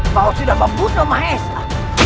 mau sudah membunuh mahesa